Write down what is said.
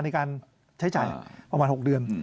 ในการใช้จ่ายประมาณ๖เดือน